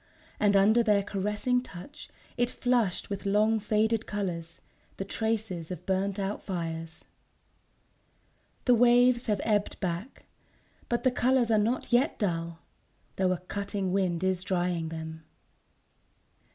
. and under their caressing touch it flushed with long faded colours, the traces of burnt out fires ! The waves have ebbed back ... but the colours are not yet dull, though a cutting wind is drying them.